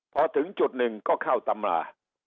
พอถึงจุดหนึ่งก็เข้าตำรา